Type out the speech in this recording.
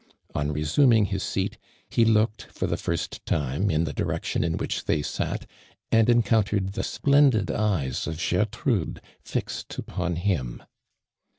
< »n resuming his seat, he looked lor the first time in the direction in which tliey sat. and encountered the splen did eyes of (Jertrude fixed upon him.